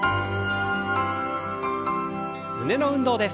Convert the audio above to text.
胸の運動です。